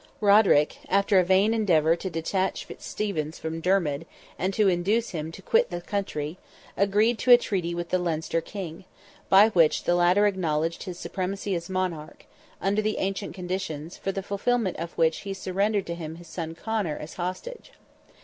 Roderick, after a vain endeavour to detach Fitzstephen from Dermid and to induce him to quit the country, agreed to a treaty with the Leinster King, by which the latter acknowledged his supremacy as monarch, under the ancient conditions, for the fulfilment of which he surrendered to him his son Conor as hostage.